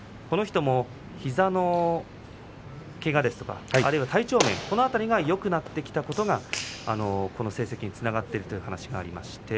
この人の膝のけがですとか体調面、その辺りがよくなってきたことがこの成績につながっているという話がありました。